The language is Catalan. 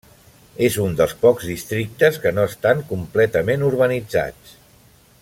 És un dels pocs districtes que no estan completament urbanitzats.